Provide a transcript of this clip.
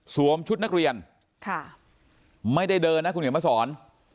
สวมชุดนักเรียนไม่ได้เดินนะคุณหญิงมาสอน